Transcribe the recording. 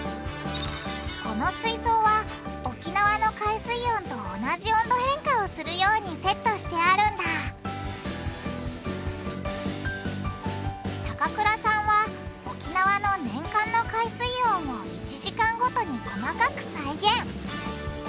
この水槽は沖縄の海水温と同じ温度変化をするようにセットしてあるんだ高倉さんは沖縄の年間の海水温を１時間ごとに細かく再現。